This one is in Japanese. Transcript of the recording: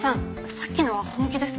さっきのは本気ですか？